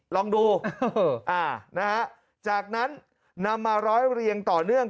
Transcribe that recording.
ลองดูจากนั้นนำมาร้อยเรียงต่อเนื่อง